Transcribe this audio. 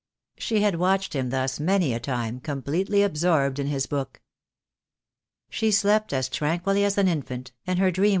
She had watched him thus many a time, completely absorbed in his book. She slept as tranquilly as an infant, and her dream THE DAY WILL COME.